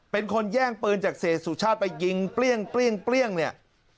เป็นคนแย่งปืนจากเศรษฐ์สุชาติไปยิงเปรี้ยงเปรี้ยงเปรี้ยงเนี่ย